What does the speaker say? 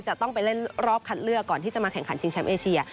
จะต้องไปเล่นรอบคัดเลือกก่อนที่จะมาแข่งขันชิงแชมป์เอเชีย